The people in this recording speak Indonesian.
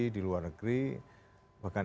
di luar negeri bahkan